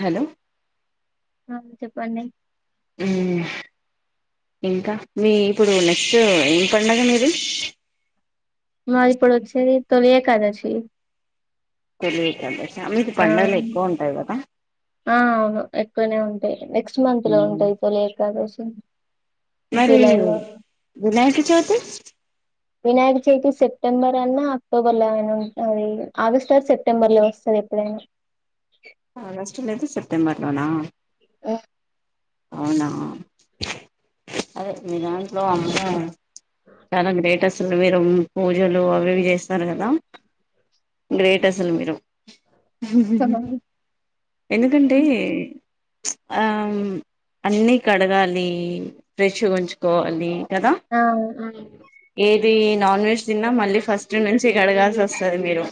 Hello ఆ చెప్పండి ఉమ్మ్ ఇంకా మీ ఇప్పుడు నెక్స్ట్ ఏం పండగ మీది మాది ఇప్పుడ్ ఒచ్చేది తొలి ఏకాదశి తొలి ఏకాదశ మీకు ఆ పండగలు ఎక్కువ ఉంటయ్ కదా ఆ అవును ఎక్కువనే ఉంటాయి నెక్స్ట్ మంత్ లో ఉంటాయి తొలి ఏకాదశి మరి జూలై లో వినాయక చౌతి వినాయక చవితి సెప్టెంబర్ అన్నా అక్టోబర్ల అయిన ఉంటది ఆగస్ట్ ఆర్ సెప్టెంబర్ లో వస్తాది ఎప్పుడైన ఆగస్టు లేద సెప్టెంబర్లోనా ఉం అవునా అదే మీ దాంట్లో అమ్మో చాలా గ్రేట్ అసలు మీరు పూజలు అవివి చేస్తారు కదా గ్రేట్ అసలు మీరు ఎందుకంటే ఆం అన్నీ కడగాలి ఫ్రెష్గుంచ్కోవాలి ఆ ఉమ్ ఇది నాన్ వెజ్ తిన్నా మళ్ళీ ఫస్ట్ నుంచి కడగాల్సి ఒస్తది మీరు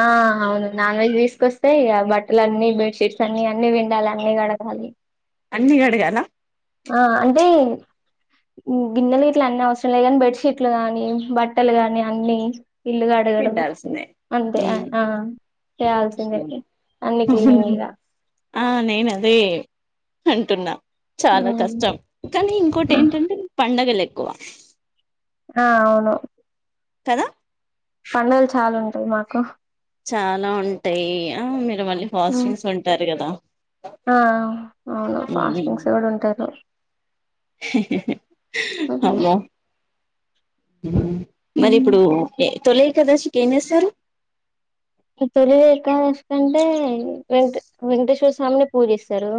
ఆ అవును నాన్ వెజ్ తీసుకొస్ తే ఆ బట్టలన్ని బెడ్ షీట్స్ అన్ని అన్ని పిండాలన్ని కడగాలి అన్ని కడగాల ఆ అంటీ గిన్నెలు గిట్ల అన్ని అవసరం లే కాని బెడ్షీట్లు గాని బట్టలు గాని అన్ని ఇళ్ళు కడగడం పిండాల్సిందే అంతే ఐ ఆ చేయాల్సిందే ఉ అన్ని అవును క్లీనింగిగా ఆ నేనదే అంటున్నా చాలా ఉమ్ కష్టం కనీ ఇంకోటి ఆ ఏంటంటే పండగలె క్కవ ఆ అవును కదా పడుగలు చాలా ఉంటయి మాకు చాలా ఉంటయీ, ఆ మీరు మళ్ళీ ఉమ్ ఫాస్టింగ్స్ ఉంటరు గదా ఆ అవును ఫాస్టింగ్స్ గూడ ఉంటరు ఉహు అమ్మో మరి ఉమ్. ఇప్పుడు ఏ తొలేకాదశికి ఏం జేస్తరు తొలి ఏకాదశి అంటే వెంకటె వెంకటేశ్వర స్వామిని పూజిస్తరు.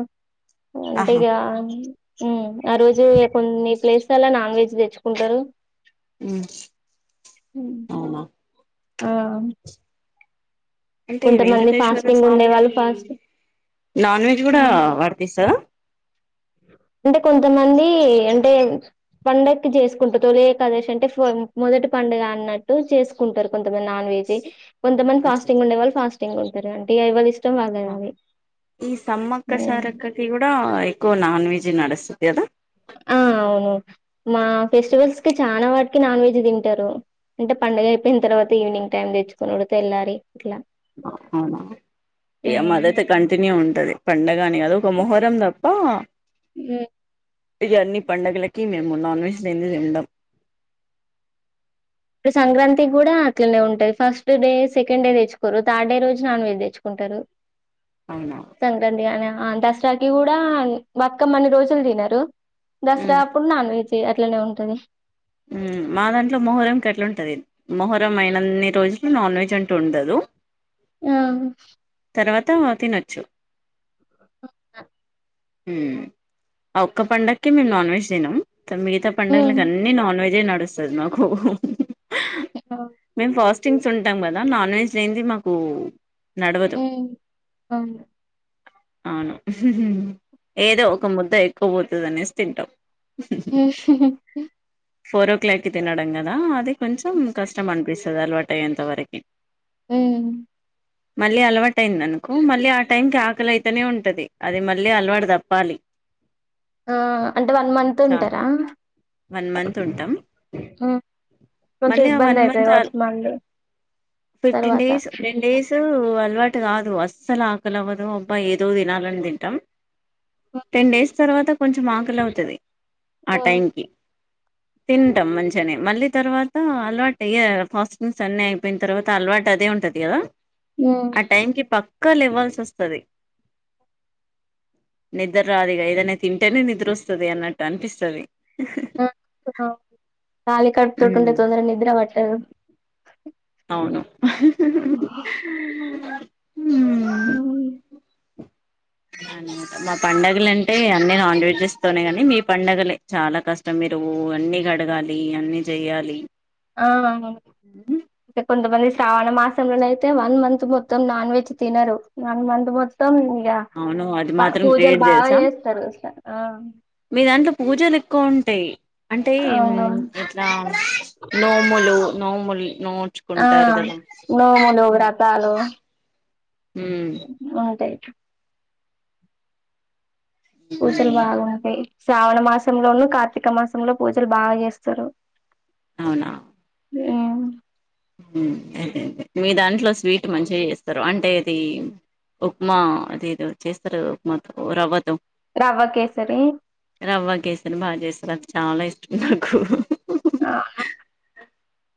అంటే ఆహా ఇగా ఉమ్ ఆ రోజు కొన్ని ప్లేస్లల్ల నాన్ వెజ్ దెచ్చుకుంటరు ఉమ్ ఉహు అవునా ఆ అంటే కొంతమంది వెంకటేశ్వర ఫాస్టింగ్ ఉండే వాళ్ళు స్వామికి ఫాస్టింగ్ నాన్ వెజ్ గుడా ఆ వర్తిస్తదా? అంటే కొంతమందీ అంటే పండక్కి జేసుకుంట్రూ తొలి ఎకాదశి అంటే ఫో మొ దటి పండుగ అన్నట్టు చేసుకుంటరు కొంతమంది నాన్ వేజి కొంతమంది అచ్చ ఫాస్టింగ్ ఉండేవాళ్ళు ఫాస్టింగ్ ఉంటరు అంటిగ ఎవలిష్ ఈ సమ్మక్క సారక్కకి గూడా ఎక్కువ నాన్ వెజ్ జి నడుస్తది గదా ఆ అవును మా ఫెస్టివల్స్ కి చానా వాటికి నాన్ వెజ్ దింటరు అంటే పండగయిపోయిన్తర్వాత ఈవినింగ్ టైమ్ తెచ్చుకునుడు తెల్లారి ఇట్లా అవునా, ఏం ఉమ్ అదైతే కంటిన్యూ ఉంటది. పండగని గాదు ఒక మొహరం తప్ప ఉమ్ ఇగ అన్ని పడుగలకి మేము నాన్ వెజ్ లేంది ఉండం ఇప్పుడు సంక్రాంతి గ్గుడా అట్లనే ఉంటంది ఫస్ట్ డే, సెకండ్ డే తెచ్చుకోరు థర్డ్ డే రోజు నాన్ వెజ్ తెచ్చుకుంటరు. అవునా సంక్రాంతి కనే ఆ దసరాకిి గూడా బతుకమ్మన్ని రోజులు తినరు, మ్మ్ దసరాప్పుడు నాన్ వెజ్ అట్లనే ఉంటది ఉమ్ మా దాంట్ల మొహరం కట్లూంటది, మొహరం అయినన్ని రోజులు నాన్ వెజ్ అంటూ ఉండదు ఆ తర్వాత తినొచ్చు ఆ ఒక్క పండక్కి మేం నాన్ వెెజ్ తినం, మిగతా ఉమ్ పండగలకన్నీ నాన్ వెజ్ జే నడుస్తది మాకు మేం ఫాస్ట్ స్టింగ్స్ ఉంటం గదా నాన్ వెజ్ లేంది మాకు నడవదు ఉమ్ అవును అవును ఏదో ఒక ముద్ద ఎక్కువ పోతదనేసి తింటాం అ ఫోర్ ఓ క్లాక్ కి తినడం గదా అది కొంచెం కష్టం అనిపిస్తది అలవాటయేంత వరకి ఉమ్ మళ్ళీ అలవాటయిందనుకో మళ్ళీ ఆ టైంకి ఆకలి అయితనే ఉంటది అది మళ్ళీ అలవాటు తప్పాలి. ఆ అంటే వన్ మంత్ చాలు ఉంటరా? వన్ మంత్ ఉంటాం ఉమ్ కొంచెం మళ్ళీ ఆ వన్ ఇబ్బందయితది మంత్ గావచ్చు మళ్ళీ ఫిఫ్టీన్ తర్వాత డేస్, టెన్ డేసూ అలవాటు కాదు అస్సలు ఆకలవ్వదు అబ్బా ఏదో తినాలని తింటాం టెన్ డేస్ తర్వాత కొంచెం ఆకాలి అవుతాది ఆ ఉమ్ టైంకి తింటాం మంచిగానే మళ్ళీ తర్వాత అలవాటు అయే ఫాస్టింగ్స్ అన్ని అయిపోయిన తర్వాత అలవాటు అదే ఉంటాది కదా ఉమ్ ఆ టైం కి పక్క లేవల్సి వస్తాది నిద్ర రాదు ఇక ఏదన్నా తింటేనే నిద్ర వస్తుది అన్నట్టు అనిపిస్తాది కాళీ కడుపుతొటి ఉంటే తొందరగా నిద్ర పట్టదు అవును మా పండుగలు అంటే అన్నీ నాన్ వెజెస్ తోనే కానీ మీ పండగలే చాలా కష్టం మీరు అన్ని కడగాలి అన్ని చెయాలి ఆ కొంత మంది స్ శ్రావణ మాసంలోన అయితే వన్ మంత్ మొత్తం నాన్ వెజ్ తినరు వన్ మంత్ మొత్తం యా అవును అది మాత్రం పూజలు గ్రేట్ బాగా తెలుసా చేస్తారు అసల మీ దాంట్లో పూజలు ఎక్కువ ఉంటాయి అంటే అవును ఇట్లా నోములు నోముల్ ఆ నోములు వ్రతాలు మ్మ్ బావుంటాయి పూజలు బాగుంటాయి శ్రావణ మాసంలోనూ కార్తీక మాసంలో పూజలు బాగా చేస్తారు అవునా బావుంది అదే అదే మీ దాంట్లో స్వీట్ మంచిగా చేస్తార అంటే ఇది ఉప్మా అది ఏదో చేస్తారు గా ఉప్మాతో రవ్వతో రవ్వ కేసరి రవ్వ కేసారి బాగా చేస్తారు అది చాలా ఇష్టం నాకు అవున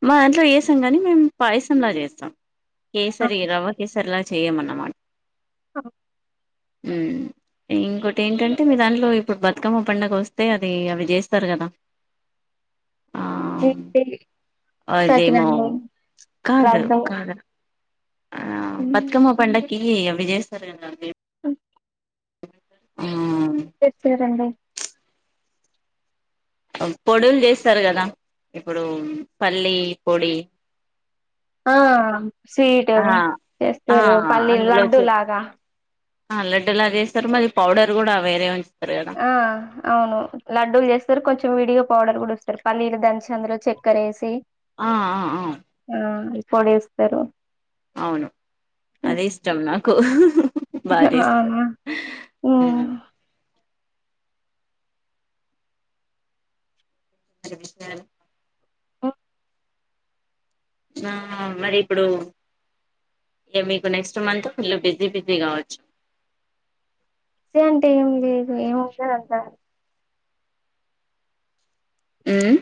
మా ఇంట్లో చేస్తాం కానీ మేము పాయసంలా చేస్తాం ఆ చేయమన్నమాట ఓహొ ఉను ఇంకోటి ఏంటంటే మీ దాంట్లో ఇప్పుడు బతుకమ్మ పండుగ వస్తే అది అవి చేస్తారు కదా ఆ అదేమో సకినండ కాదు [unintelligible] కాదు ఆ బతుకమ్మ పండక్కి అవి చేస్తారు కదా అవి ఓ ఆ తెచ్చరాండి పొడులు చేస్తారు కదా ఇప్పుడు పల్లి పొడి ఆ స్వీటు ఆ ఆ చేస్తారు పల్లీలు అందులో లడ్డు చె లాగా ఆ లడ్డూలా చేస్తారు మరి పౌడర్ కూడా వేరే ఉ ఆ అవును లడ్డూలు చేస్తారు కొంచెం విడియో పౌడర్ కూడా చేస్తారు పల్లీలు దంచి అందులో చెక్కర వేసి ఆ ఆ ఆ కలేస్తారు బాగ చేస్తారు అవునా ఉమ్. మ్మ్ వి [inaudible] ఓ ఆ మరి ఇప్పుడు ఇక మీకు next month pool busy busy కావచ్చు [unintelligible] ఏం లేదు ఏం ఉండదు అంత మ్మ్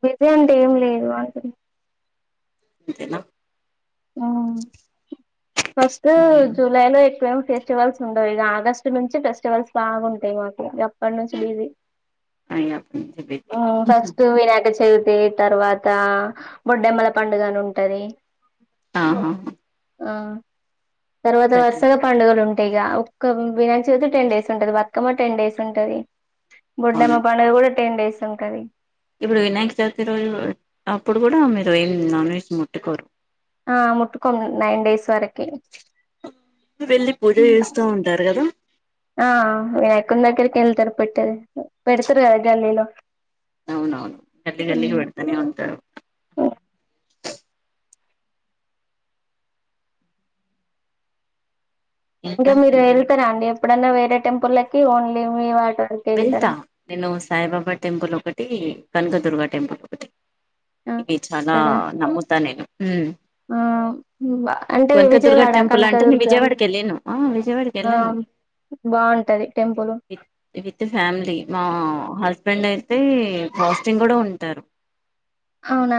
ప్రెంజేట్ ఏం లేదు [unintelligible] ఇంతెనా ఆ ఫస్ట్ జులైలో ఎవ ఫెస్టివల్స్ ఉండవు ఇక ఆగస్టు నుంచి ఫెస్టివల్స్ బాగుంటాయి మాకు పండంచ లీవి అయ్యా ఫస్ట్ వినాయక చవి తి తర్వాత బొడ్డెమ్మల పండుగ అని ఉంటాంది టది ఆహా ఆ తర్వత ప్రతి వర్సగా పండుగలు ఉంట టయి ఇగా ఒక్క వినాయక్ చవతి టెన్ డేస్ ఉంటది బతుకమ్మ టెన్ డేస్ ఉంటది అవును బొడ్డమ్మ పండగ కూడ టెన్ డేస్ ఉంటది ఇప్పుడు వినాయక చవితి రోజు అప్పుడు కూడ మీరు ఏం నాన్ వెజ్ ముట్టుకోరు ఆ ముట్టుకోం నైన్ డేస్ వరకి వెళ్ళి పూజ చేస్తా ఉంటారు కదా ఆ వినాయకుడి దగ్గరికి వెళ్తరు పెడ్తారు పెడ్తరు గల్లీలో అవునవును గల్లి గ అల్లి పెడతనేే అంత ఇంక ఇంకా మీరు ఇంకేం వెళ్తరా అండి ఎప్పుడన్నా వేరే టెంపుల్లకి ఓన్లీ మీ వా వెళ్తా నేను సాయిబాబ టెంపుల్ ఒకటి కనకదుర్గ టెంపుల్ ఒకటి ఆ ఇది చాలా వెళ్తారా నమ్ముతా నేను ఆ అంటే కొనక దుర్గ విజయవాడ టెంపుల్ అంటే నేను కనకదుర్గ విజయవాడకి వెళ్ళాను ఆ విజయవాడకి ఆ వెళ్ళాను బాగుంటది టెంపుల్ తిరిగి త ఫ్యామిలీ మా హల్ ఫ్రెండ్ అయితే హస్టింగ్ కూడ ఉంటారు హవున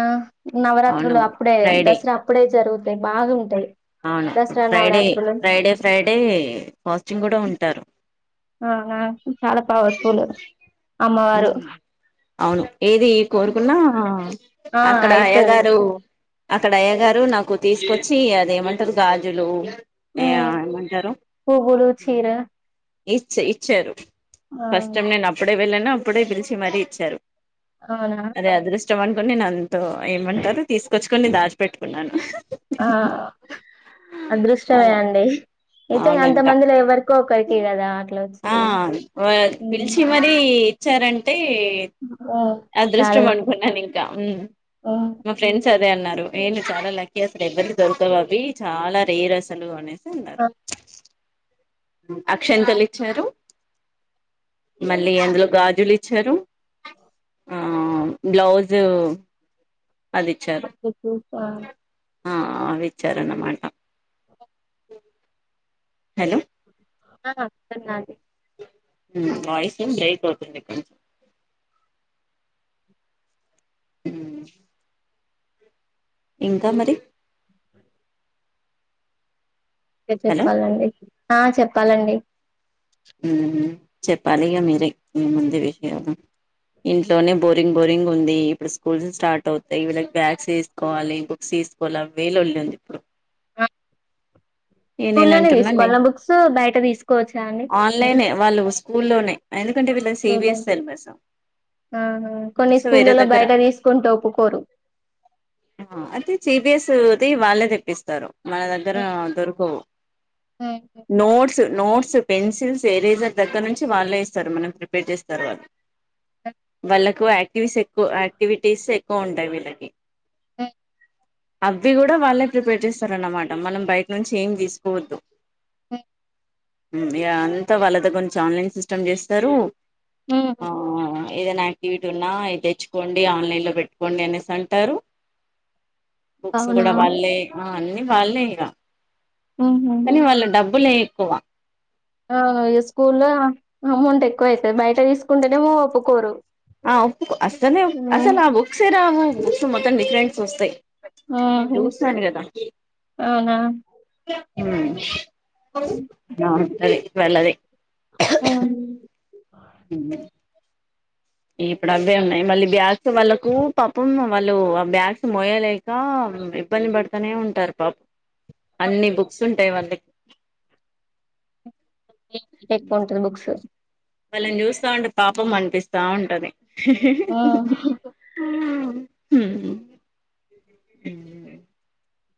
అవును నవరాత్రులు అప్పుడే ఫ్రైడే దసరా అప్పుడే జరుగుతాయి బాగుంటాయి అవును దసరా ఫ్రైడే నవరాత్రులు ఫ్రైడే ఫ్రైడే ఫాస్టింగ్ కూడ ఉంటారు ఆ చాల పవర్ఫుల్ అమ్మవారు ఉమ్. అవును ఏది కోరుకున్నా ఆ అక్కడ అయ్య అయితది గారు అక్కడ అయ్యా గారు నాకు తీసుకొచ్చి అదేమంటరు గాజులు ఏ ఉమ్ ఏమంటారు పువ్వులు చీర ఇచ్చి ఇచ్చారు ఆ ఫస్ట్ టైం నేను అప్పుడే వెళ్ళాను అప్పుడే పిలిచి మరీ ఇచ్చారు అవున ఇష్టం అనుకొని నేను అంత ఏమంటారుో తీసుకొచ్చుకని దాచిపెట్టుకున్నాను ఆ అదృష్టమే అలా అండి ఇతను అంత అవునంట మందిలో ఎవరికో ఒకరికి కదా అట్ల ఆ వచ్చేది వచ్చారంటే అ అదృష్టం అనుకున్నాన్ ఇంకా ఉమ్ మా ఫ్రెండ్స్ అ అదే అన్నారు నేను చాల లక్కీ అసలు ఎవ్వరి దొరకవు అవి చాల రేర్ అసలుగానే ఆ అన్నారు అక్షింతలు ఇచ్చారు మళ్ళీ అందులో గాజులు ఇచ్చారు హా బ్లౌజు ఒక్క చూపా ఆ అవిచ్చారణమాట హెలో ఆ చన్నది ఉమ్ వాయిసు బ్రేక్ అవుతుంది. హుమ్ ఇంకా మరి ఆ హలో చెప్పాలండి ఊ చెప్పాలిగా మీరే ముందు విషయాలు ఇంట్లోనే బోరింగ్ బోరింగ్ ఉంది ఇప్పుడు స్కూల్స్ స్టార్ట్ అవుతాయి. వీళ్ళకి బ్యాగ్స్ తీసుకోవాలి బుక్స్ తీసుకోవాలి అవే లోళ్ళుంది ఇప్పుడు అ ఏ నేను అంటున్నానే బుక్స్ బయట తీసుకోవచ్చా అండి? ఆన్లైన్ వాళ్ళు స్కూల్లోనే ఎందుకంటే వీళ్ళది స్కూల్లోనే సిబిఎస్ సిలబస్ ఆహా కొన్ని సో వేరే స్కూళ్లలో బయట తీసుకుంటే ఒప్పుకోరు ఐతే సిబిఎస్ ప్రతిది వాళ్ళే తెప్పిస్తారు మన దగ్గర దొరకవు నోట్స్ నోట్స్ పెన్సిల్స్ ఎరేజర్ దగ్గర నుంచి వాళ్ళే ఇస్తారు మనం ప్రిపేర్ చేస్తారు వాళ్ళు. వాళ్ళకు యాక్టివిస్ ఎక్కువ యాక్టివిటీస్ ఎక్కువ ఉంటాయి వీళ్ళకి ఉ అవి కూడా వాళ్ళే ప్రిపేర్ చేస్తారన్నమాట మనం బయట నుంచి ఏమి తీసుకోవద్దు. ఉ ఇగ అంతా వాళ్ళతే కొంచం ఆన్లైన్ సిస్టమ్ చేస్తారు హ్మ్. ఆ ఏదైనా ఇటున్నా ఇది తెచ్చుకోండి ఆన్లైన్ లో పెట్టుకోండి అనేసి అంటారు బుక్స్ అవునా కూడ వాళ్ళే ఆ అన్ని వాళ్ళే ఇగ ఉహు పుల్లె ఎక్కువ ఆ స్కూల్లో అమౌంట్ ఎక్కువైతది బయట తీసుకుంటేనేమో ఒప్పుకోరు ఆ ఉప్పు అసనే ఉమ్ అసలు ఆ బుక్సేరావు మొత్తం డిఫరెంట్ వస్తాయి నేను ఆహా చూస్తాను కదా అవునా ఊ బాగుంటది ట్వలది ఊ ఇప్పుడు అవే ఉన్నాయి మళ్ళీ బ్యాగ్స్ వాళ్ళలకు పాపం వాళ్ళు ఆ బ్యాగ్స్ మోయలేక ఇబ్బంది పడుతనే ఉంటారు పాప అన్ని బుక్స్ ఉంటాయి వాళ్ళకి ఎక్కువ ఉంటది బుక్స్ వాళ్ళని చూస్తా ఉంటే పాపం అనిపిస్తా ఉంటది ఆ ఊ హుహు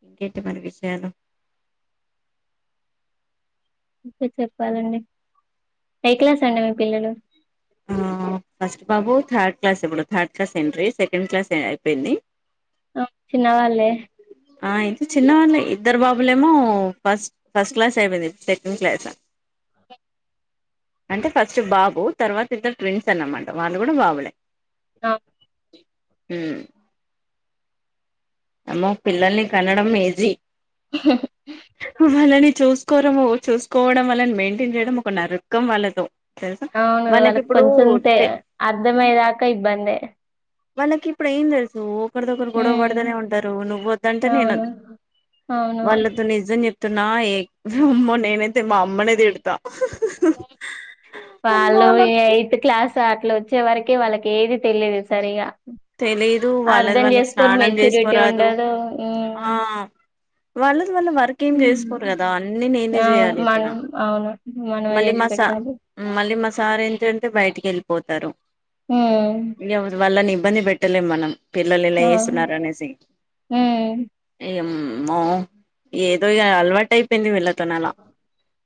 ఇంకేటి మరి విషాయాలు అకే చెప్పాలండి ఏ క్లాస్ అండి మీ పిల్లలు ఆ ఫస్ట్ బాబు థర్డ్ క్లాస్ ఇప్పుడు థర్డ్ క్లాస్ ఏంట్రీ సెకండ్ క్లాస్ అయిపోయింది. ఆ చిన్న వాళ్ళే ఆ అయితే చిన్న వాళ్ళు ఇద్దరు బాబులే ఏమో ఫస్ట్ ఫస్ట్ క్లాస్ అయిపోయింది సెకండ్ క్లాస్ అంటే ఫస్ట్ బాబు తర్వాత ఇద్దరు ట్విన్స్ అన్నమాట వాళ్ళు కూడా బాబులే ఆ ఊ అమ్మో పిల్లల్ని కనడం ఈజీ వాళ్ళని చూసుకోరము చూసుకోవడం వాళ్ని మెయింటైన్ చేయడం ఒక నరకం వాళ్ళతో తెలుసా అవును. వాళ్ళకి ఇప్పుడు కొంచెం తె అర్థమయ్యేదాకా ఇబ్బందే వాళ్నకి ఇప్పుడు ఏం తెలుసు ఒకరితో ఒకరు గొడవ పడుతనే ఉమ్ ఉంటారు నువ్వ వద్దంటే నేను అవును వద్దంట అవును వాళ్ళతో నిజం చెప్ నా ఏ మ్మో నేనైతే మా అమ్మనే తిడతా వాళ్లు ఎయిత్ క్లాస్ అట్లా వచ్చే వరకే వాళ్ళకి ఏది తెలిదు సరిగా తెలిదు వాళ్ళ అర్ధం వాళ్ళది చేసుకోరు స్నానం మెచ్యూరిటీ చేసుకోరాదు ఉండదు ఉమ్ ఆ వాళ్ళది వల్ల వర్క్ ఏం చేసుకోరు కదా అన్ని నేనే చేయాలి అవును ఇక్కడ మనం అవును మనమే మళ్లీ చేసి మా సా పెట్టాలి మళ్లీ మా సా సార్ ఎంటంటే బయటికి వెళ్ళిపోతారు ఉమ్ ఇంక వాళ్ళని ఇబ్బంది పెట్టలేము మనం పిల్లలు ఇలా అవును చేస్తున్నారు అనేసి ఉమ్ ఏం అమో ఏదో ఇగ అలవాటయిపోయింది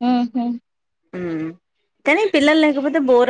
ఆహ ఉమ్ కానీ పిల్లలు లేకపోతే బోర్